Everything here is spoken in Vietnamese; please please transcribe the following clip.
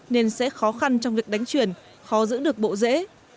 nên sẽ khó khăn trong việc đánh chuyển khó giữ được bộ dễ